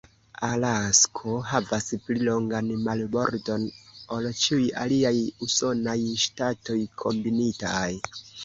Alasko havas pli longan marbordon ol ĉiuj aliaj usonaj ŝtatoj kombinitaj.